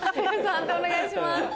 判定お願いします。